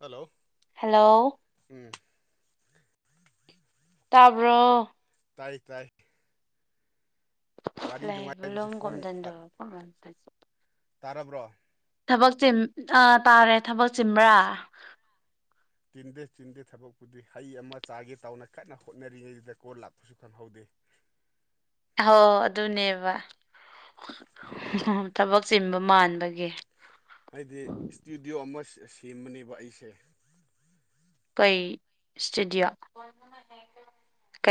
hello hello ꯎꯝ ꯇꯥꯕ꯭ꯔꯣ ꯇꯥꯏ ꯇꯥꯏ ꯋꯥꯔꯤ ꯂꯕ ꯅꯨꯡꯉꯥꯏꯕꯁꯤ ꯂꯣꯝ ꯀꯝ ꯐꯣꯟ ꯗꯟꯗ ꯇꯥꯔꯕ꯭ꯔꯣ ꯊꯕꯛ ꯆꯤꯝ ꯑ ꯇꯥꯔꯦ ꯊꯕꯛ ꯆꯤꯟꯕ꯭ꯔꯥ ꯇꯤꯟꯗꯦ ꯆꯤꯟꯗꯦ ꯊꯕꯛꯄꯨꯗꯤ ꯍꯩ ꯑꯃ ꯆꯥꯒꯦ ꯇꯥꯎꯅ ꯀꯟꯅ ꯍꯣꯠꯅꯔꯤꯉꯩꯗꯨꯗ ꯀꯣꯜ ꯂꯥꯛꯄꯁꯨ ꯈꯪꯍꯧꯗꯦ ꯑꯥꯎ ꯑꯗꯨꯅꯦꯕ ꯊꯕꯛ ꯆꯤꯟꯕ ꯃꯥꯟꯕꯒꯤ ꯍꯥꯏꯗꯤ ꯏꯁꯇꯨꯗꯤꯑꯣ ꯑꯃ ꯁꯦꯝꯕꯅꯦꯕ ꯑꯩꯁꯦ ꯀꯩ ꯏꯁꯇꯨꯗꯤꯌꯑꯣ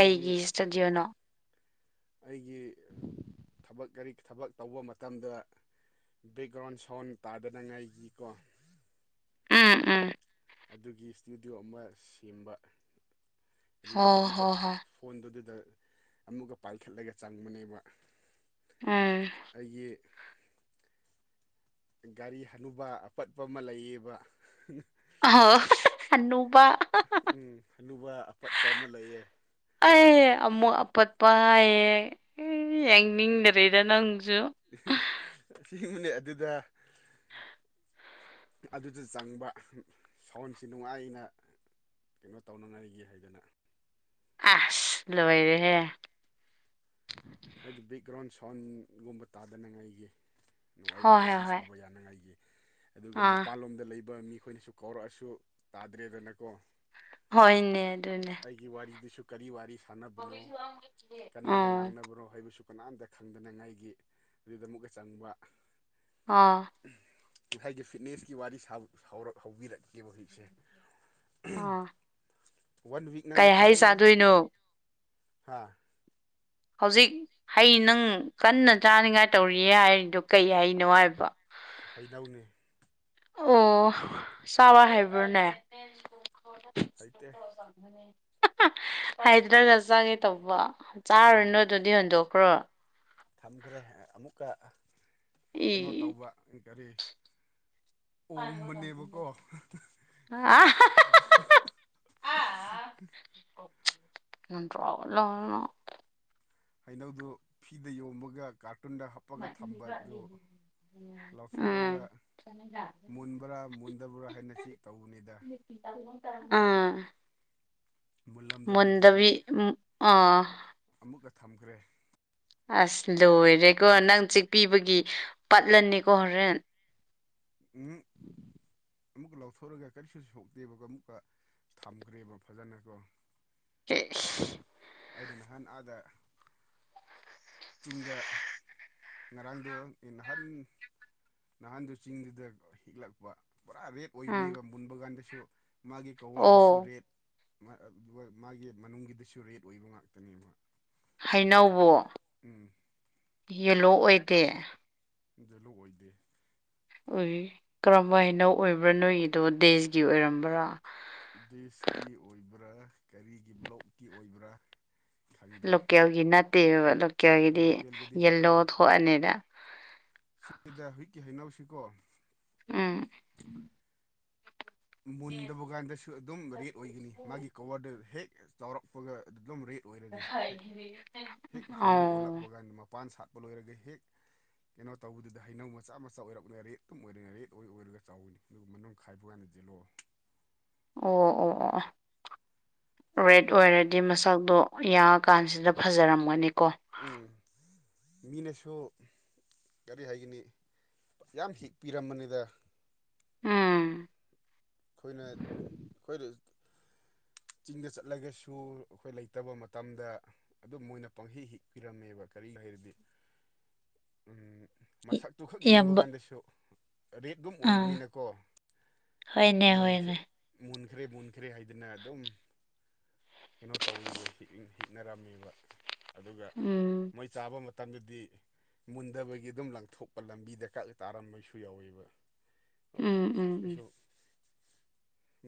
ꯍꯥꯏꯗꯤ ꯏꯁꯇꯗꯤꯑꯣꯅꯣ ꯑꯩꯒꯤ ꯊꯕꯛ ꯀꯔꯤ ꯊꯕꯛ ꯇꯧꯕ ꯃꯇꯝꯗ ꯕꯦꯛꯒ꯭ꯔꯥꯎꯟ ꯁꯥꯎꯟ ꯇꯥꯗꯅꯤꯉꯥꯏꯒꯤꯀꯣ ꯑꯝ ꯑꯝ ꯑꯗꯨꯒꯤ ꯏꯁꯇꯨꯗꯤꯑꯣ ꯑꯃ ꯁꯦꯝꯕ ꯍꯣ ꯑꯗꯨꯗ ꯑꯃꯨꯛꯀ ꯍꯣ ꯍꯣꯏ ꯐꯣꯟꯗꯨꯗ ꯑꯃꯨꯛꯀ ꯄꯥꯏꯈꯠꯂꯒ ꯆꯪꯕꯅꯦꯕ ꯎꯝ ꯑꯩꯒꯤ ꯒꯥꯔꯤ ꯍꯅꯨꯕꯥ ꯑꯄꯠꯄ ꯑꯃ ꯂꯩꯌꯦꯕ ꯑꯣ ꯍꯅꯨꯕ ꯎꯝ ꯍꯅꯨꯕ ꯑꯄꯠꯄ ꯑꯃ ꯂꯩꯌꯦ ꯑꯩ ꯑꯃꯨꯛ ꯑꯄꯠꯄ ꯍꯥꯏꯌꯦ ꯌꯦꯡꯅꯤꯡꯗꯔ‌ꯦꯗ ꯅꯪꯁꯨ [unintelligible] ꯑꯁꯦꯡꯕꯅꯦ ꯑꯗꯨꯗ ꯑꯗꯨꯗ ꯆꯪꯕ ꯁꯥꯎꯟꯁꯤ ꯅꯨꯡꯉꯥꯏꯅ ꯀꯩꯅꯣ ꯇꯧꯅꯉꯥꯏꯒꯤ ꯍꯥꯏꯗꯅ ꯑꯁ ꯂꯣꯏꯔꯦꯍꯦ ꯍꯥꯏꯗꯤ ꯕꯦꯛꯒ꯭ꯔꯥꯎꯟ ꯁꯥꯎꯟꯒꯨꯝꯕ ꯇꯥꯗꯅꯉꯥꯏꯒꯤ ꯅꯨꯉꯥꯏꯅ ꯍꯣꯏ ꯍꯣꯏ ꯋꯥꯔꯤ ꯍꯣꯏ ꯁꯥꯕ ꯌꯥ ꯅꯉꯥꯏꯒꯤ ꯑꯗꯨꯒ ꯑꯥ ꯃꯄꯥꯟꯂꯣꯝꯗ ꯂꯩꯕ ꯃꯤꯈꯣꯏꯅꯁꯨ ꯀꯧꯔꯛꯑꯁꯨ ꯇꯥꯗ꯭ꯔꯦꯗꯅꯀꯣ ꯍꯣꯏꯅꯦ ꯑꯗꯨꯅꯦ ꯑꯩꯒꯤ ꯋꯥꯔꯤꯗꯨꯁꯨ ꯀꯔꯤ ꯋꯥꯔꯤ ꯁꯥꯟꯅꯕꯅꯣ ꯀꯅꯥꯒ ꯑꯥ ꯉꯥꯡꯅꯕꯅꯣ ꯍꯩꯕꯁꯨ ꯀꯅꯥꯝꯇ ꯈꯪꯗꯅꯉꯥꯏꯒꯤ ꯑꯗꯨꯗ ꯑꯃꯨꯛꯀ ꯆꯪꯕ ꯑꯥ ꯉꯁꯥꯏꯒꯤ ꯐꯤꯠꯅꯦꯁꯀꯤ ꯋꯥꯔꯤ ꯁꯥꯕ ꯍꯧꯕꯤꯔꯛꯀꯦꯕ ꯍꯧꯖꯤꯛꯁꯦ ꯑꯥ ꯋꯥꯟ ꯋꯤꯛ ꯀꯩ ꯅꯪꯅ ꯍꯩ ꯐꯖꯅ ꯆꯥꯗꯣꯏꯅꯣ ꯍꯥꯥ ꯍꯧꯖꯤꯛ ꯍꯩ ꯅꯪ ꯀꯟꯅ ꯆꯥꯅꯤꯡꯉꯥꯏ ꯇꯧꯔꯤꯌꯦ ꯍꯥꯏꯔꯤꯗꯨꯣ ꯀꯩ ꯍꯥꯏꯅꯣ ꯍꯥꯏꯕ ꯍꯩꯅꯧꯅ‌ꯦ ꯑꯣ ꯆꯥꯕ ꯍꯥꯏꯕ꯭ꯔꯣꯅꯦ ꯍꯩꯇꯦ ꯍꯥꯏꯗ꯭ꯔꯒ ꯆꯥꯒꯦ ꯇꯧꯕ ꯆꯥꯔꯨꯔꯅꯣ ꯎꯝ ꯑꯗꯨꯗꯤ ꯍꯨꯟꯗꯣꯛꯈ꯭ꯔꯣ ꯊꯝꯈ꯭ꯔꯦ ꯑꯃꯨꯛꯀ ꯏ ꯀꯩꯅꯣ ꯇꯧꯕ ꯀꯔꯤ ꯑꯣꯝꯕꯅꯦꯕꯀꯣ [unintelligible] [unintelligible] ꯍꯩꯅꯧꯗꯨ ꯐꯤꯗ ꯌꯣꯃꯒ ꯀꯥꯔꯇꯨꯟꯗ ꯍꯥꯞꯄꯒ ꯊꯝꯕꯗꯨ ꯂꯧꯊꯣꯛꯔꯒ ꯃꯨꯟꯕ꯭ꯔꯥ ꯃꯨꯟꯗꯕ꯭ꯔꯥ ꯍꯥꯏꯅ ꯆꯦꯛ ꯇꯧꯕꯅꯤꯗ ꯎꯝ ꯃꯨꯜꯂꯝꯗꯕꯒꯤ ꯃꯨꯟꯗꯕꯤ ꯑꯃꯨꯛꯀ ꯎꯝ ꯑꯥ ꯑꯃꯨꯛꯀ ꯊꯝꯈ꯭ꯔꯦ ꯑꯁ ꯂꯣꯏꯔꯦꯀꯣ ꯅꯪ ꯆꯤꯛꯄꯤꯕꯒꯤ ꯄꯠꯂꯅꯤꯀꯣ ꯍꯣꯔꯦꯟ ꯎꯝ ꯑꯃꯨꯛꯀ ꯂꯧꯊꯣꯛꯑꯒ ꯀꯔꯤꯁꯨ ꯁꯣꯛꯇꯦꯕꯀꯣ ꯑꯃꯨꯛꯀ ꯊꯝꯈ꯭ꯔꯦꯕ ꯐꯖꯅꯀꯣ ꯑꯦꯁ ꯑꯩꯅ ꯅꯍꯥꯟ ꯑꯥꯗ ꯆꯤꯡꯗ ꯉꯔꯥꯡꯗꯣ ꯅꯍꯥꯟ ꯅꯍꯥꯟꯗꯨ ꯆꯤꯡꯗꯨꯗ ꯍꯤꯛꯂꯛꯄ ꯄꯨꯔꯥ ꯔꯦꯠ ꯎꯝ ꯑꯣꯏꯕꯅꯦꯕ ꯃꯨꯟꯕ ꯀꯥꯟꯗꯁꯨ ꯃꯥꯒꯤ ꯀ꯭ꯋꯣꯕꯔꯗꯨꯁꯨ ꯑꯣ ꯔꯦꯠ ꯃꯥ ꯃꯥꯒꯤ ꯃꯅꯨꯡꯒꯤꯗꯁꯨ ꯔꯦꯠ ꯑꯣꯏꯕ ꯉꯥꯛꯇꯅꯦꯕ ꯍꯩꯅꯧꯕꯨ ꯑꯗꯨꯒꯤ ꯎꯝ ꯌꯦꯂꯣ ꯑꯣꯏꯗꯦ ꯌꯦꯂꯣ ꯑꯣꯏꯗꯦ ꯎꯏ ꯀꯔꯝꯕ ꯍꯩꯅꯧ ꯑꯣꯏꯕ꯭ꯔꯥ ꯅꯣꯏꯒꯤꯗꯣ ꯗꯦꯖꯒꯤ ꯑꯣꯏꯔꯝꯕ꯭ꯔꯥ ꯗꯦꯁꯀꯤ ꯑꯣꯏꯕ꯭ꯔꯥ ꯀꯔꯤꯒꯤ ꯕ꯭ꯂꯣꯛꯀꯤ ꯑꯣꯏꯕ꯭ꯔꯥ ꯈꯪꯗ꯭ꯔꯦ ꯂꯣꯀꯦꯜꯒꯤ ꯅꯠꯇꯦꯕ ꯂꯣꯀꯦꯜꯒꯤꯗꯤ ꯂꯣꯀꯦꯜꯒꯤꯗꯤ ꯅꯠꯇꯦ ꯌꯦꯜꯂꯣ ꯊꯣꯛꯑꯅꯤꯗ ꯁꯤꯗ ꯍꯨꯏꯛꯀꯤ ꯍꯩꯅꯧꯁꯤꯀꯣ ꯎꯝ ꯃꯨꯟꯗꯕ ꯀꯥꯟꯗꯁꯨ ꯑꯗꯨꯝ ꯔꯦꯠ ꯑꯣꯏꯒꯅꯤ ꯃꯥꯒꯤ ꯀꯋꯥꯔꯗꯨ ꯍꯦꯛ ꯆꯥꯎꯔꯛꯄꯒ ꯑꯗꯨꯝ ꯔꯦꯠ ꯂꯣꯏꯔꯅꯤ ꯍꯦꯛ ꯍꯦꯛ ꯍꯩꯅꯧ ꯑꯣ ꯑꯣꯜꯂꯛꯄ ꯀꯥꯟꯗ ꯃꯄꯥꯟ ꯁꯥꯠꯄ ꯂꯣꯏꯔꯒ ꯍꯦꯛ ꯀꯩꯅꯣ ꯇꯧꯕꯗꯨꯗ ꯍꯩꯅꯧ ꯃꯆꯥ ꯃꯆꯥ ꯑꯣꯏꯔꯛꯅꯤꯅ ꯔꯦꯠ ꯑꯗꯨꯝ ꯑꯣꯏꯔꯅ ꯔꯦꯠ ꯑꯣꯏ ꯑꯣꯏꯔꯒ ꯆꯥꯎꯋꯤꯅꯤ ꯑꯗꯨꯒ ꯃꯅꯨꯡ ꯈꯥꯏꯕ ꯀꯥꯟꯗꯗꯤ ꯌꯦꯂꫭ ꯑꯣ ꯑꯣ ꯑꯣ ꯔꯦꯠ ꯑꯣꯏꯔꯗꯤ ꯃꯁꯪꯗꯣ ꯌꯥ ꯀꯥꯟꯁꯤꯗ ꯐꯖꯔꯝꯒꯅꯤꯀꯣ ꯎꯝ ꯃꯤꯅꯁꯨꯣ ꯒꯥꯔꯤ ꯍꯥꯏꯒꯅꯤ ꯌꯥꯝ ꯍꯤꯛ ꯄꯤꯔꯝꯕꯅꯤꯗ ꯎꯝ ꯑꯩꯈꯣꯏꯅ ꯑꯩꯈꯣꯏꯗ ꯆꯤꯡꯗ ꯆꯠꯂꯒꯁꯨ ꯑꯩꯈꯣꯏ ꯂꯩꯇꯕ ꯃꯇꯝꯗ ꯑꯗꯨꯝ ꯃꯣꯏꯅ ꯄꯪꯍꯩ ꯍꯤ ꯄꯤꯔꯝꯃꯦꯕ ꯀꯔꯤꯒꯤꯅꯣ ꯍꯥꯏꯔꯗꯤ ꯎꯝꯃꯁꯛ ꯇꯨꯈꯛ ꯌꯦꯡꯕ ꯏꯌꯥꯝꯕ ꯀꯥꯟꯗꯁꯨ ꯔꯦꯠ ꯑꯗꯨꯝ ꯑꯥ ꯑꯣꯏꯕꯅꯤꯅꯀꯣ ꯍꯣꯏꯅꯦ ꯃꯟ ꯍꯣꯏꯅꯦ ꯃꯨꯟꯈ꯭ꯔꯦ ꯃꯨꯟꯈ꯭ꯔꯦ ꯍꯥꯏꯗꯅ ꯑꯗꯨꯝ ꯀꯩꯅꯣ ꯇꯧꯋꯕ ꯍꯤꯛꯅꯔꯝꯃꯤꯕ ꯑꯗꯨꯒ ꯎꯝ ꯃꯣꯏ ꯆꯥꯕ ꯃꯇꯝꯗꯗꯤ ꯃꯨꯟꯗꯕꯒꯤ ꯑꯗꯨꯝ ꯂꯪꯊꯣꯛꯄ ꯂꯝꯕꯤꯗ ꯀꯛ ꯇꯥꯔꯝꯕꯁꯨ ꯌꯥꯎꯋꯦꯕ ꯎꯝ ꯎꯝ ꯎꯝ ꯑꯩꯁꯨ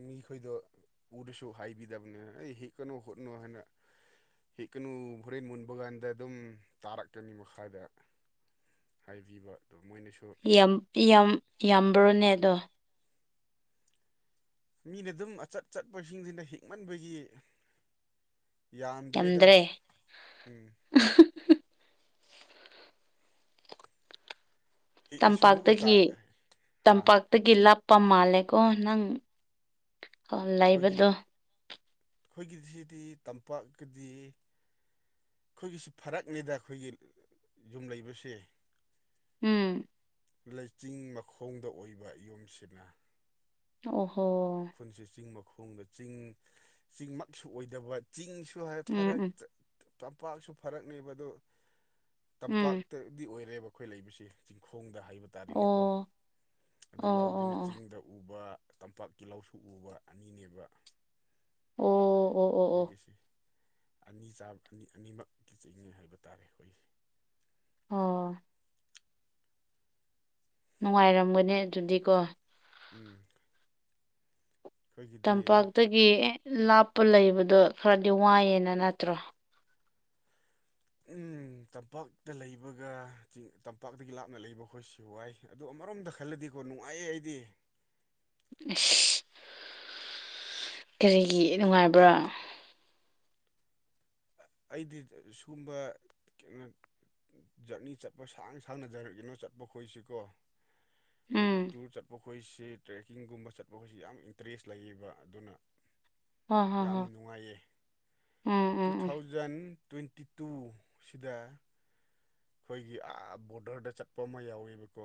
ꯃꯤꯈꯣꯏꯗꯣ ꯎꯔꯁꯨ ꯍꯥꯏꯕꯤꯗꯕꯅꯦ ꯑꯩ ꯍꯦꯛꯀꯅꯨ ꯍꯣꯠꯅꯣ ꯍꯥꯏꯅ ꯍꯦꯛꯀꯅꯨ ꯍꯣꯔꯦꯟ ꯃꯨꯟꯕ ꯀꯥꯟꯗ ꯑꯗꯨꯝ ꯇꯥꯔꯛꯀꯅꯤ ꯃꯈꯥꯗ ꯍꯥꯏꯕꯤꯕ ꯑꯣ ꯃꯣꯏꯅꯁꯨ ꯌꯥꯝ ꯌꯥꯝ ꯌꯥꯝꯕ꯭ꯔꯣꯅꯦ ꯑꯗꯣ ꯃꯤꯅ ꯑꯗꯨꯝ ꯑꯆꯠ ꯆꯠꯄꯁꯤꯡꯁꯤꯅ ꯍꯤꯃꯟꯕꯒꯤ ꯌꯥꯝꯗ꯭ꯔꯦ ꯎꯝ ꯍꯦꯛꯂꯁꯨ ꯑꯃꯨꯛꯀ ꯆꯥ ꯇꯝꯄꯥꯛꯇꯒꯤ ꯍꯥ ꯇꯝꯄꯥꯛ ꯇꯒꯤ ꯂꯥꯞꯄ ꯃꯥꯜꯂꯦꯀꯣ ꯅꯪ ꯑꯩꯈꯣꯏꯒꯤ ꯂꯩꯕꯗꯣ ꯑꯩꯈꯣꯏꯒꯤꯁꯤꯗꯤ ꯇꯝꯄꯥꯛꯀꯗꯤ ꯑꯩꯈꯣꯏꯒꯤꯁꯤ ꯐꯔꯛꯅꯤꯗ ꯑꯩꯈꯣꯏꯒꯤ ꯌꯨꯝ ꯂꯩꯕꯁꯦ ꯎꯝ ꯂꯩꯆꯤꯡ ꯃꯈꯣꯡꯗ ꯑꯣꯏꯕ ꯌꯨꯝꯁꯤꯅ ꯑꯣ ꯍꯣ ꯑꯩꯈꯣꯏꯁꯨ ꯆꯤꯡ ꯃꯈꯣꯡꯗ ꯆꯤꯡ ꯆꯤꯡꯃꯛꯁꯨ ꯑꯣꯏꯗꯕ ꯆꯤꯡꯁꯨ ꯍꯥꯏ ꯎꯝ ꯐꯔꯛ ꯎꯝ ꯇꯝꯄꯥꯛꯁꯨ ꯐꯔꯛꯅꯦꯕ ꯑꯗꯣ ꯎꯝ ꯇꯝꯄꯥꯛꯇꯗꯤ ꯑꯣꯏꯔꯦꯕ ꯑꯩꯈꯣꯏ ꯂꯩꯕꯁꯤ ꯆꯤꯡꯈꯣꯡꯗ ꯍꯥꯏꯕ ꯇꯥꯔꯦꯅꯦꯀꯣ ꯑꯣ ꯑꯗꯨ ꯑꯣ ꯂꯧꯗꯨꯅ ꯑꯣ ꯆꯤꯡꯗ ꯎꯕ ꯇꯝꯄꯥꯛꯀꯤꯂꯧꯁꯨ ꯎꯕ ꯑꯅꯤꯅꯦꯕ ꯑꯣ ꯑꯣ ꯑꯣ ꯑꯣ ꯑꯣ ꯑꯩꯈꯣꯏꯒꯤꯁꯤ ꯑꯅꯤ ꯆꯥꯕ ꯑꯅꯤ ꯑꯅꯤꯃꯛꯀꯤ ꯆꯤꯡꯉꯦ ꯍꯥꯏꯕ ꯇꯥꯔꯦ ꯑꯩꯈꯣꯏꯒꯤ ꯑꯣ ꯅꯨꯡꯉꯥꯏꯔꯝꯒꯅꯦ ꯑꯗꯨꯗꯤꯀꯣ ꯎꯝ ꯑꯩꯈꯣꯏꯒꯤꯗꯤ ꯇꯝꯄꯥꯛꯇꯒꯤ ꯂꯥꯞꯄ ꯂꯩꯕꯗꯣ ꯈꯔꯗꯤ ꯋꯥꯏꯑꯦꯅ ꯅꯠꯇ꯭ꯔꯣ ꯎ ꯇꯝꯄꯥꯛꯇ ꯂꯩꯕꯒꯤꯡ ꯇꯝꯄꯥꯛꯇꯒꯤ ꯂꯥꯞꯅ ꯂꯩꯕ ꯑꯩꯈꯣꯏ ꯁꯤ ꯋꯥꯏ ꯑꯗꯣ ꯑꯃꯔꯣꯝꯗ ꯈꯜꯂꯗꯤꯀꯣ ꯅꯨꯡꯉꯥꯏꯌꯦ ꯑꯩꯗꯤ ꯑꯁ ꯀꯔꯤꯒꯤ ꯅꯨꯡꯉꯥꯏꯕ꯭ꯔꯥ ꯑꯩꯗꯤ ꯁꯒꯨꯝꯕ ꯀꯩꯅꯣ ꯖꯔꯅꯤ ꯆꯠꯄ ꯁꯥꯡ ꯁꯥꯡꯅ ꯖꯔꯛꯏꯅꯣ ꯆꯠꯄ ꯈꯣꯏꯁꯤꯀꯣ ꯎꯝ ꯇꯨꯔ ꯆꯠꯄ ꯈꯣꯏꯁꯤ ꯇ꯭ꯔꯦꯛꯀꯤꯡꯒꯨꯝꯕ ꯆꯠꯄ ꯈꯣꯏꯁꯤ ꯌꯥꯝ ꯏꯟꯇꯔꯦꯁ ꯂꯩꯌꯦꯕ ꯑꯗꯨꯅ ꯍꯣꯏ ꯍꯣꯏ ꯍꯣꯏ ꯌꯥꯝꯅ ꯅꯨꯡꯉꯥꯏꯌꯦ ꯎꯝ two um um thousand twenty ꯇꯨꯁꯤꯗ ꯑꯩꯈꯣꯏꯒꯤ ꯑꯩ ꯕꯣꯔꯗꯔꯗ ꯆꯠꯄ ꯑꯃ ꯌꯥꯎꯋꯦꯕꯀꯣ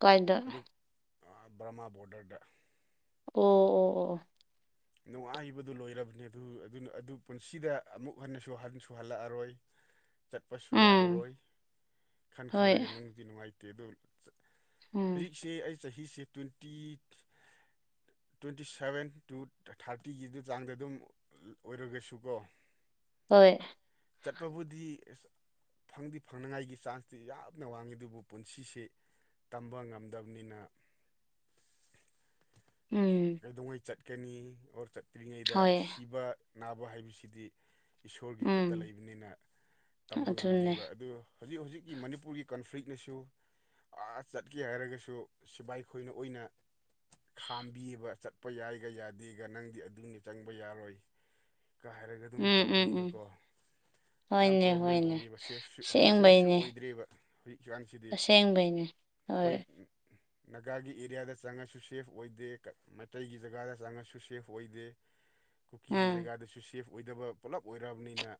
ꯀꯥꯏꯗ ꯑꯗꯨꯛ ꯑ ꯕꯔꯃꯥ ꯕꯣꯔꯗꯔꯗ ꯑꯣ ꯑꯣ ꯑꯣ ꯅꯨꯡꯉꯥꯏꯕꯗꯨ ꯂꯣꯏꯔꯕꯅꯤ ꯑꯗꯨ ꯑꯗꯨ ꯄꯨꯟꯁꯤꯗ ꯑꯃꯨꯛ ꯍꯟꯅꯁꯨ ꯍꯟꯁꯨ ꯍꯜꯂꯛꯑꯔꯣꯏ [inaudible] ꯆꯠꯄꯁꯨ ꯎꯝ ꯌꯥꯔꯔꯣꯏ ꯈꯟ ꯍꯣꯏ ꯈꯜꯂꯒ ꯅꯨꯡꯗꯤ ꯅꯨꯡꯉꯥꯏꯇꯦ ꯑꯗꯨ ꯎꯝ ꯍꯧꯖꯤꯛꯁꯦ ꯑꯩ ꯆꯍꯤꯁꯦ ꯇ꯭ꯋꯦꯟꯇꯤ ꯇ꯭ꯋꯦꯟꯇꯤ ꯁꯚꯦꯟ ꯇꯨ ꯊꯥꯔꯇꯤꯒꯤꯗꯨ ꯆꯥꯡꯗ ꯑꯗꯨꯝ ꯑꯣꯏꯔꯒꯁꯨꯀꯣ ꯍꯣꯏ ꯆꯠꯄꯕꯨꯗꯤ ꯐꯪꯗꯤ ꯐꯪꯅꯉꯥꯏꯒꯤ ꯆꯥꯟꯁꯇꯤ ꯌꯥꯝꯅ ꯋꯥꯡꯉꯤ ꯑꯗꯨꯕꯨ ꯄꯨꯟꯁꯤꯁ‌ꯦ ꯇꯝꯕ ꯉꯝꯗꯕꯅꯤꯅ [inaudible] ꯎꯝ ꯀꯩꯗꯧꯉꯩ ꯆꯠꯀꯅꯤ ꯑꯣꯔ ꯆꯠꯇ꯭ꯔꯤꯉꯩꯗ ꯍꯣꯏ ꯁꯤꯕ ꯅꯥꯕ ꯍꯥꯏꯕꯁꯤꯗꯤ ꯏꯁꯣꯔꯒꯤ ꯈꯨꯠꯇ ꯎꯝ ꯂꯩꯕꯅꯤꯅ ꯇꯝꯕ ꯑꯗꯨꯅꯦ ꯉꯝꯗꯦꯕ ꯑꯗꯨ ꯍꯧꯖꯤꯛ ꯍꯧꯖꯤꯛꯀꯤ ꯃꯅꯤꯄꯨꯔꯒꯤ ꯀꯟꯐ꯭ꯂꯤꯛꯅꯁꯨ ꯑ ꯆꯠꯀꯦ ꯍꯥꯏꯔꯒꯁꯨ ꯁꯤꯕꯥꯏ ꯈꯣꯏꯅ ꯑꯣꯏꯅ ꯈꯥꯝꯕꯤ ꯌ‌ꯦꯕ ꯆꯠꯄ ꯌꯥꯏꯒ ꯌꯥꯗꯦꯒ ꯅꯪꯗꯤ ꯑꯗꯨꯅꯤ ꯆꯪꯕ ꯌꯥꯔꯣꯏ ꯀ ꯍꯥꯏꯔꯒ ꯑꯗꯨꯝ ꯎꯝ ꯎꯝ ꯎꯝ ꯇꯧꯅꯤꯅꯀꯣ ꯌꯥꯝ ꯍꯣꯏꯅꯦ ꯄ꯭ꯔꯣꯕ꯭ꯂꯦꯝ ꯍꯣꯏꯅꯦ ꯑꯣꯏꯌꯦꯕ ꯁꯦꯐꯁꯨ ꯁ‌ꯦꯐꯁꯨ ꯑꯁꯦꯡꯕꯩꯅꯦ ꯑꯣꯏꯗ꯭ꯔꯦꯕ ꯍꯧꯖꯤꯛ ꯆꯥꯡꯁꯤꯗꯤ ꯑꯁꯦꯡꯕꯩꯅꯦ ꯍꯣꯏ ꯈꯣꯏ ꯅꯒꯥꯒꯤ ꯑꯦꯔꯤꯌꯥꯗ ꯆꯪꯉꯁꯨ ꯁꯦꯐ ꯑꯣꯏꯗꯦ ꯃꯩꯇꯩꯒꯤ ꯖꯒꯥꯗ ꯆꯪꯉꯁꯨ ꯁꯦꯐ ꯑꯣꯏꯗꯦ ꯀꯨꯀꯤꯒꯤ ꯎꯝ ꯖꯒꯥꯗꯁꯨ ꯁꯦꯐ ꯑꯣꯏꯗꯕ ꯄꯨꯂꯞ ꯑꯣꯏꯑꯔꯕꯅꯤꯅ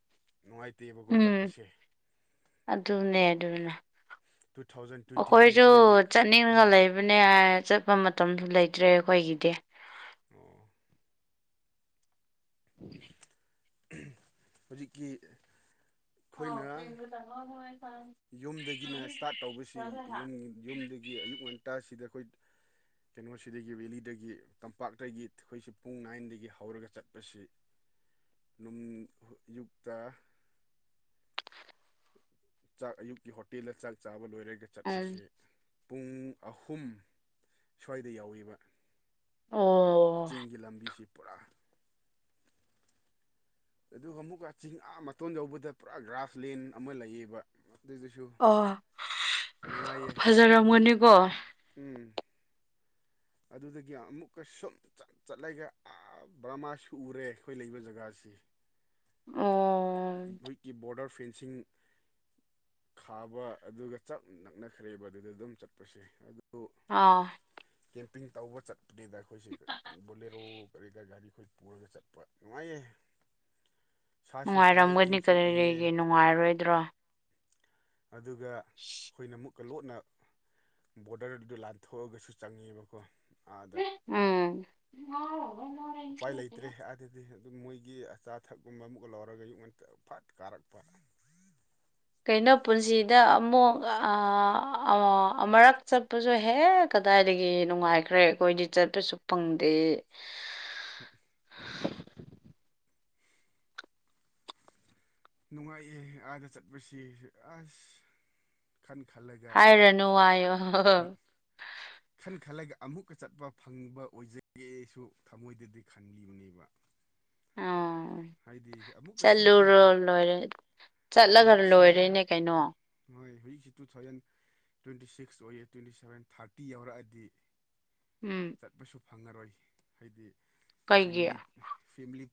ꯅꯨꯡꯉꯥꯏꯇꯦꯕꯀꯣ ꯎꯝ ꯆꯠꯄꯁꯦ ꯑꯗꯨꯅꯦ ꯑꯗꯨꯅꯦ ꯇꯨ ꯊꯥꯎꯖꯟ ꯇ꯭ꯋꯦꯟꯇꯤ ꯑꯩꯈꯣꯏꯁꯨ ꯇꯨꯁꯤꯗꯗꯤ ꯆꯠꯅꯤꯡꯒ ꯎꯝ ꯂꯩꯕ ꯅꯦ ꯆꯠꯄ ꯃꯇꯝꯗꯤ ꯂꯩꯇ꯭ꯔꯦ ꯑꯩꯈꯣꯏꯒꯤꯗꯤ ꯑꯣ ꯍꯧꯖꯤꯛꯀꯤ ꯎꯝ ꯑꯩꯈꯣꯏꯅꯥ [unintelligible] ꯌꯨꯝꯗꯒꯤꯅ ꯏꯁꯇꯥꯔꯠ ꯇꯧꯕꯁꯤ ꯌꯨꯝ ꯌꯨꯝꯗꯒꯤ ꯑꯌꯨꯛ ꯉꯟꯇꯥꯁꯤꯗ ꯑꯈꯣꯏ ꯀꯩꯅꯣꯁꯤꯗꯒꯤ ꯕꯦꯂꯤꯗꯒꯤ ꯇꯝꯄꯥꯛꯇꯒꯤ ꯑꯩꯈꯣꯏꯁꯤ ꯄꯨꯡ ꯅꯥꯏꯟꯗꯒꯤ ꯍꯧꯔꯒ ꯆꯠꯄꯁꯤ [inaudible] ꯔꯨꯝ ꯑꯌꯨꯛꯇ ꯆꯥꯛ ꯑꯌꯨꯛꯀꯤ ꯍꯣꯇꯦꯜꯗ ꯆꯥꯛ ꯆꯥꯕ ꯂꯣꯏꯔꯒ ꯆꯠꯄꯁ‌ꯦ ꯄꯨꯡ ꯑꯍꯨꯝ ꯁ꯭ꯋꯥꯏꯗ ꯌꯧꯋ‌ꯦꯕ ꯑꯣ ꯆꯤꯡꯒꯤ ꯂꯝꯕꯤꯁꯤ ꯄꯨꯔꯥ ꯑꯗꯨꯒ ꯑꯃꯨꯛꯀ ꯆꯤꯡ ꯑ ꯃꯇꯣꯟ ꯌꯧꯕꯗ ꯄꯨꯔꯥ ꯒ꯭ꯔꯥꯁꯂꯦꯟ ꯑꯃ ꯂꯩꯌꯦꯕ ꯑꯗꯨꯗꯁꯨ ꯑꯣ ꯅꯨꯡꯉꯥꯏꯌꯦ ꯁꯨꯝ ꯌꯦꯡ ꯐꯖꯔꯝꯒꯅꯤꯀꯣ ꯎꯝ ꯑꯗꯨꯗꯒꯤ ꯑꯃꯨꯛꯀ ꯁꯨꯝ ꯆꯠ ꯆꯠꯂꯒ ꯑ ꯕꯔꯃꯥꯁꯨ ꯔꯦ ꯑꯩꯈꯣꯏ ꯂꯩꯕ ꯖꯒꯥꯁꯤ ꯑꯣ ꯃ‌ꯣꯏꯀꯤ ꯕꯣꯔꯗꯔ ꯐꯦꯟꯁꯤꯡ ꯈꯥꯕ ꯑꯗꯨꯒ ꯆꯥꯛ ꯅꯛꯅꯈ꯭ꯔꯦꯕ ꯑꯗꯨꯗ ꯑꯗꯨꯝ ꯆꯠꯄꯁꯦ ꯑꯗꯨ ꯑꯥ ꯀꯦꯝꯄꯤꯡ ꯇꯧꯕ ꯆꯠꯄꯅꯤꯗ ꯑꯩꯈꯣꯏꯁꯦ ꯕꯣꯂꯦꯔꯣ ꯀꯔꯤꯗ ꯒꯥꯔꯤꯈꯣꯏ ꯄꯨꯔꯒ ꯆꯠꯄ ꯅꯨꯡꯉꯥꯏꯌꯦ ꯁꯥꯁꯨ ꯁꯥꯏ ꯅꯨꯡꯉꯥꯏꯔꯝꯒꯅꯤ ꯏꯪꯁꯨ ꯏꯪꯉꯦ ꯀꯔꯤꯒꯤ ꯅꯨꯡꯉꯥꯏꯔꯣꯏꯗ꯭ꯔꯣ ꯑꯗꯨꯒ ꯑꯩꯈꯣꯏꯅ ꯃꯨꯛꯀ ꯂꯣꯟꯠꯅ ꯕꯣꯔꯗꯔꯗꯨꯗ ꯂꯥꯟꯊꯣꯛꯑꯒꯁꯨ ꯆꯪꯉꯦꯕꯀꯣ ꯑꯥꯗ ꯎꯝ ꯎꯄꯥꯏ ꯂꯩꯇ꯭ꯔꯦ ꯑꯗꯨꯗꯤ ꯃꯣꯏꯒꯤ ꯑꯆꯥ ꯑꯊꯛꯀꯨꯝꯕ ꯑꯃꯨꯛꯀ ꯂꯧꯔꯒ [unintelligible] ꯐꯠ ꯀꯥꯔꯛꯄ ꯀꯩꯅꯣ ꯄꯨꯟꯁꯤꯗ ꯑꯃꯨꯛ ꯑꯃꯨꯔꯛ ꯆꯠꯄꯁꯨ ꯍꯦꯛ ꯀꯗꯥꯏꯗꯒꯤ ꯅꯨꯡꯉꯥꯏꯈ꯭ꯔꯦ ꯑꯩꯈꯣꯏꯗꯤ ꯆꯠꯄꯁꯨ ꯐꯪꯗꯦ ꯍ ꯅꯨꯡꯉꯥꯏꯑꯦ ꯑꯥꯗ ꯆꯠꯄꯁꯤ ꯑꯁ ꯈꯟ ꯈꯜꯂꯒꯦ ꯍꯥꯏꯔꯅꯨ ꯍꯥꯏꯌꯣ ꯈꯟ ꯈꯜꯂꯒ ꯑꯃꯨꯛꯀ ꯆꯠꯄ ꯐꯪꯕ ꯑꯣꯏꯖꯒꯦꯁꯨ ꯊꯃꯣꯏꯗꯗꯤ ꯈꯟꯂꯤꯕꯅꯦꯕ ꯎꯝ ꯍꯥꯏꯗꯤ ꯑꯃꯨꯛꯀ ꯁꯤꯒꯤ ꯆꯠꯂꯨꯔꯣ ꯂꯣꯏꯔꯦ ꯆꯠꯂꯒ ꯍꯧꯖꯤꯛꯁꯤ ꯂꯣꯏꯔꯦꯅꯦ ꯀꯩꯅꯣ ꯍꯣꯏ ꯍꯧꯖꯤꯛꯁꯤ ꯇꯨ ꯊꯥꯎꯖꯟ ꯇ꯭ꯋꯦꯟꯇꯤ ꯁꯤꯛꯁ ꯑꯣꯏꯌꯦ ꯇ꯭ꯋꯦꯟꯇꯤ ꯁꯕꯦꯟ ꯊꯥꯔꯇꯤ ꯌꯥꯎꯔꯛꯑꯗꯤ ꯎꯝ ꯆꯠꯄꯁꯨ ꯐꯪꯉꯔꯣꯏ ꯍꯥꯏꯗꯤ ꯀꯩꯒꯤ ꯐꯦꯃꯤꯂꯤꯞ ꯐꯦꯂꯤ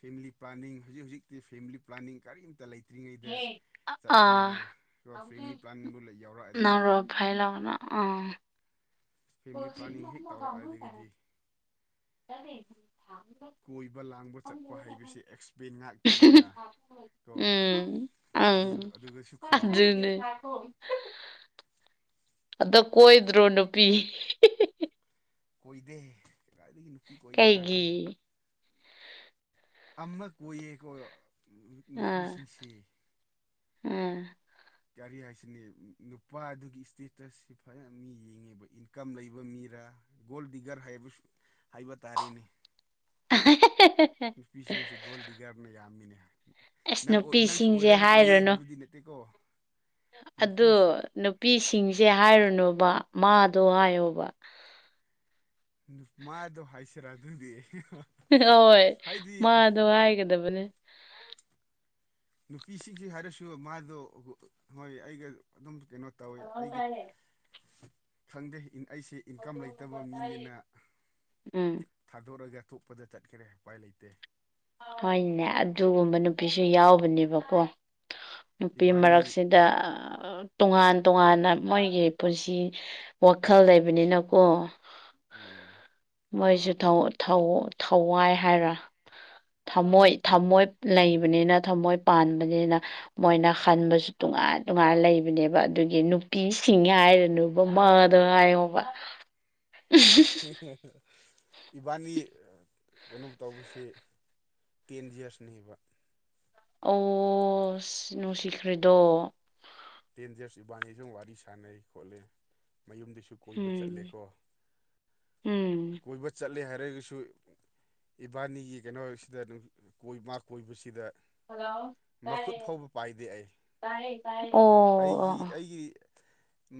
ꯐꯦꯃꯤꯂꯤ ꯄ꯭ꯂꯥꯅꯤꯡ ꯍꯧꯖꯤꯛ ꯍꯧꯖꯤꯛꯇꯤ ꯐꯦꯃꯤꯂꯤ ꯄ꯭ꯂꯥꯅꯤꯡ ꯀꯔꯤꯝꯇ ꯂꯩꯇꯦ ꯆꯠꯇ꯭ꯔꯤꯉꯩꯗ ꯑꯥ ꯆꯠꯄꯅꯤꯅ ꯑꯗꯨꯒ ꯐ꯭ꯔꯦꯃꯤ ꯄ꯭ꯂꯥꯟꯗꯨ ꯌꯥꯎꯔꯛꯑꯗꯤ ꯈꯥꯏ ꯂꯥꯛꯅ ꯑꯥ ꯐꯦꯃꯤꯂꯤ ꯄ꯭ꯂꯥꯅꯤꯡ ꯍꯦꯛ ꯇꯧꯔꯛꯑꯗꯒꯤꯗꯤ ꯇ ꯊ ꯀꯣꯏꯕ ꯂꯥꯡꯕ ꯆꯠꯄ ꯍꯥꯏꯕꯁꯤ ꯑꯦꯛꯁꯄꯦꯟ ꯉꯥꯛꯇꯅꯤꯅ ꯀꯣ ꯎꯝ ꯑꯪ ꯑꯗꯨ ꯑꯗꯨꯗꯁꯨ ꯈꯟꯕ ꯑꯗꯨꯅꯦ ꯑꯗ ꯀꯣꯏꯗ꯭ꯔꯣ ꯅꯨꯄꯤ ꯀꯣꯏꯗꯦ ꯀꯗꯥꯥꯏꯗꯒꯤ ꯅꯨꯄꯤ ꯀꯣꯏꯒꯗ꯭ꯔꯥ ꯀꯩꯒꯤ ꯑꯩꯈꯣꯏꯁꯦ ꯑꯃ ꯀꯣꯏꯌꯦꯀꯣꯌꯣ ꯑꯥ ꯅꯨꯄꯤꯁꯤꯡꯁꯦ ꯑꯥ ꯔꯤ ꯍꯥꯏꯁꯤꯅꯦ ꯅꯨꯄꯥꯗꯨꯒꯤ ꯏꯁꯇꯦꯇꯁꯁꯤ ꯐꯖꯅ ꯃꯤ ꯌꯦꯡꯉꯦꯕ ꯏꯟꯀꯝ ꯂꯩꯕ ꯃꯤꯔꯥ ꯒꯣꯜ ꯗꯤꯒꯔ ꯍꯥꯏꯕ ꯍꯥꯏꯕ ꯇꯥꯔꯦꯅꯦ ꯅꯨꯄꯤꯁꯤꯡꯁꯦ ꯒꯣꯜꯗꯤ ꯒꯥꯔꯅ ꯌꯥꯝꯃꯤꯅꯦ ꯑꯁ ꯅꯪ ꯅꯨꯄꯤꯁꯤꯡꯁꯦ ꯅꯪꯁꯨꯔ ꯑꯣꯏꯌꯦ ꯍꯥꯏꯔꯨꯅꯨ ꯍꯥꯏꯕꯗꯤ ꯅꯠꯇꯦꯀꯣ ꯑꯗꯨ ꯅꯨꯄꯤꯁꯤ ꯅꯨꯄꯤꯁꯤꯡꯁꯦ ꯍꯥꯏꯔꯨꯅꯨꯕ ꯃꯥꯗꯣ ꯍꯥꯏꯌꯣꯕ ꯅꯨꯄꯥꯗꯣ ꯍꯥꯏꯁꯤꯔ ꯑꯗꯨꯗꯤ ꯍꯣꯏ ꯍꯥꯏꯗꯤ ꯃꯥꯗꯣ ꯍꯥꯏꯒꯗꯕꯅꯦ ꯅꯨꯄꯤꯁꯤꯡꯁꯤ ꯍꯥꯏꯔꯁꯨ ꯃꯥꯗꯣ ꯍꯣꯏ ꯑꯩꯒ ꯑꯗꯨꯝ ꯀꯩꯅꯣ ꯇꯧꯋꯦ ꯑꯩꯒꯤ ꯈꯪꯗꯦ ꯑꯩꯁꯤ ꯏꯟꯀꯝ ꯂꯩꯇꯕ ꯃꯤꯅꯤꯅ ꯎꯝ ꯊꯥꯗꯣꯔꯑꯒ ꯊꯣꯛꯄꯗ ꯆꯠꯈꯔꯦ ꯎꯄꯥꯏ ꯂꯩꯇꯦ ꯍꯣꯏꯅꯦ ꯑꯗꯨꯒꯨꯝꯕ ꯅꯨꯄꯤꯁꯨ ꯌꯥꯎꯕꯅꯦꯕꯀꯣ ꯅꯨꯄꯤ ꯏꯕꯥꯅꯤ ꯃꯔꯛꯁꯤꯗ ꯇꯣꯉꯥꯟ ꯇꯣꯉꯥꯟꯅ ꯃꯣꯏꯒꯤ ꯄꯨꯟꯁꯤ ꯋꯥꯈꯜ ꯂꯩꯕꯅꯤꯅꯀꯣ ꯎꯝ ꯃꯣꯏꯁꯨ ꯇꯧ ꯊꯧ ꯊꯋꯥꯏ ꯍꯥꯏꯔ ꯊꯝꯃꯣꯏ ꯊꯝꯃꯣꯏ ꯎꯝ ꯂꯩꯕꯅꯤꯅ ꯊꯝꯃꯣꯏ ꯄꯥꯟꯕꯅꯤꯅ ꯃꯣꯏꯅ ꯈꯟꯕꯁꯨ ꯇꯣꯉꯥꯟꯅ ꯇꯣꯉꯥꯏꯅ ꯂꯩꯕꯅꯦꯕ ꯑꯗꯨꯒꯤ ꯅꯨꯄꯤꯁꯤꯡ ꯍꯥꯏꯔꯅ ꯃꯃ ꯑꯗꯨ ꯍꯥꯏꯥꯏꯕ ꯍ ꯍ ꯏꯕꯥꯅꯤ ꯀꯩꯅꯣ ꯇꯧꯕꯁꯤ ꯇꯦꯟ ꯌꯔꯁꯅꯦꯕ ꯑꯣ ꯁꯤ ꯅꯨꯡꯁꯤꯈ꯭꯭ꯔꯦꯗꯣ ꯇꯦꯟ ꯗꯖꯔꯁ ꯏꯕꯥꯅꯤ ꯁ ꯋꯥꯔꯤ ꯁꯥꯟꯅꯩ ꯈꯣꯠꯂꯤ ꯃꯌꯨꯝꯗꯩꯁꯨ ꯀꯣꯏꯕ ꯎꯝ ꯆꯠꯂꯦꯀꯣ ꯎꯝ ꯀꯣꯏꯕ ꯆꯠꯂꯦ ꯍꯥꯏꯔꯒꯁꯨ ꯏꯕꯥꯅꯤꯒꯤ ꯀꯩꯅꯣꯁꯤꯗꯣꯏ ꯃꯥ ꯀꯣꯏꯕꯁꯤꯗ ꯍꯜꯂꯣ ꯃꯈꯨꯠ ꯐꯥꯎꯕ ꯄꯥꯏꯗꯦ ꯑꯩ ꯇ ꯑꯣ ꯑꯣ ꯑꯩꯒꯤ ꯑꯣ ꯑꯩꯒꯤ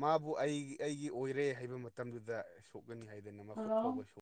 ꯃꯥꯕꯨ ꯑꯩꯒꯤ ꯑꯩꯒꯤ ꯑꯣꯏꯔꯦ ꯍꯥꯏꯕ ꯃꯇꯝꯗꯨꯗ ꯁꯣꯛꯀꯅꯤ ꯍꯥꯏꯗꯅ ꯃꯈꯨꯠ ꯍꯜꯂꯣ ꯐꯥꯎꯕ ꯁꯣꯛ